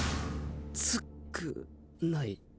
つくない。